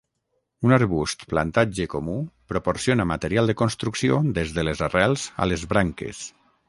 Un arbust plantatge comú proporciona material de construcció des de les arrels a les branques.